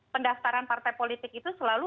pendaftaran partai politik itu selalu